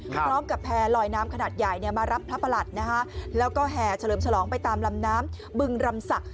พร้อมกับแพร่ลอยน้ำขนาดใหญ่เนี่ยมารับพระประหลัดนะคะแล้วก็แห่เฉลิมฉลองไปตามลำน้ำบึงรำศักดิ